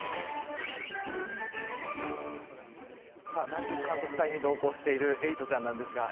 さあ南極観測隊に同行しているエイトちゃんなんですが。